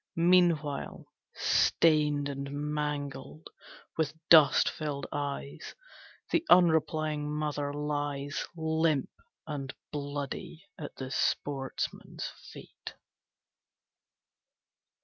Meanwhile, stained and mangled, With dust filled eyes, The unreplying mother lies Limp and bloody at the sportsman's feet.